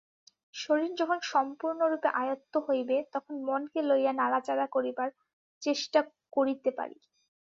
শরীর যখন সম্পূর্ণরূপে আয়ত্ত হইবে, তখন মনকে লইয়া নাড়াচাড়া করিবার চেষ্টা করিতে পারি।